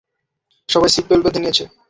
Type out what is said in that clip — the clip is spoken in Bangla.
সবাই সিট বেল্ট বেঁধে নিয়েছে।